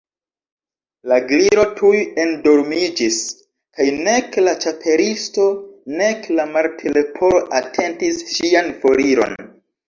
La Gliro tuj endormiĝis; kaj nek la Ĉapelisto nek la Martleporo atentis ŝian foriron.